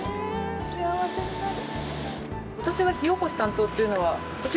幸せになる。